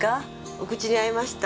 お口に合いました？